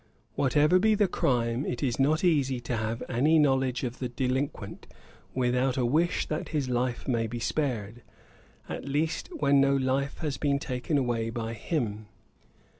Whatever be the crime, it is not easy to have any knowledge of the delinquent, without a wish that his life may be spared; at least when no life has been taken away by him.